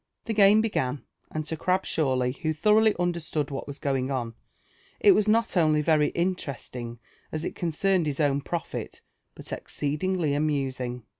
The game began; and to Grabshawly, who thoroughly understood what was going on, it was not only very interesting as it concerned his own profit, but exceedingly amusing.